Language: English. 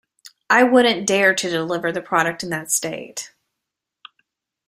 I wouldn't dare to deliver the product in that state.